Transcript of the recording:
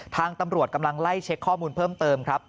ทางตำรวจกำลังไล่เช็คข้อมูลเพิ่มเติมครับ